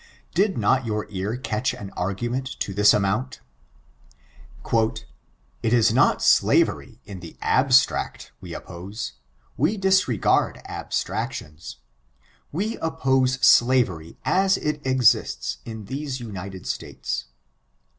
Did not your ear catch an argument to this amount? <'It is not slavery, in the abstract, we oppose; we disregard abstractions. We oppose slavery as it exists in these United States.